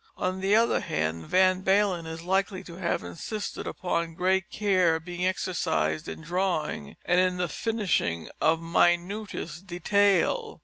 On the other hand, Van Balen is likely to have insisted upon great care being exercised in drawing and in the finishing of minutest detail.